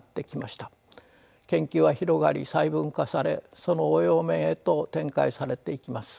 研究は広がり細分化されその応用面へと展開されていきます。